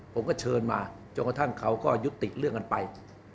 ผมก็เชิญมาจนกระทั่งเขาก็ยุติเรื่องกันไป